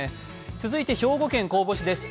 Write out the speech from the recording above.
続いて兵庫県神戸市です。